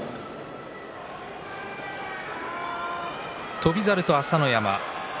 翔猿と朝乃山。